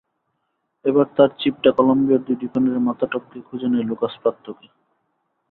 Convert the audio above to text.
এবার তাঁর চিপটা কলম্বিয়ার দুই ডিফেন্ডারের মাথা টপকে খুঁজে নেয় লুকাস প্রাত্তোকে।